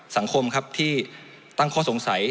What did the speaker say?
สังคมครับที่ตั้งข้อสงสัย